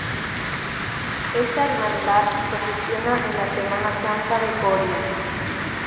Esta hermandad procesiona en la Semana Santa de Coria.